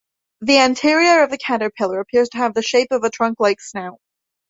The anterior of the caterpillar appears to have the shape of a trunk-like snout.